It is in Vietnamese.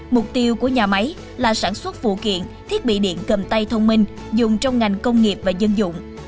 mục tiêu của nhà máy là sản xuất phụ kiện thiết bị điện cầm tay thông minh dùng trong ngành công nghiệp và dân dụng